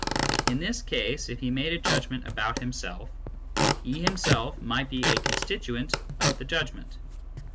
In this case, if he made a judgment about himself, he him self might be a constituent of the judgment.